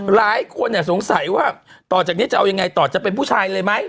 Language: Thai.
หลายคนสงสัยว่าต่อจากนี้จะเอายังไงต่อจะเป็นผู้ชายเลยไหม